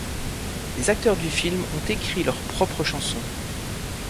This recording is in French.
Les acteurs du film ont écrit leurs propres chansons.